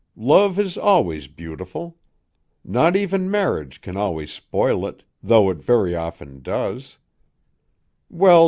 Love is always beautiful. Not even marriage can always spoil it, though it very often does.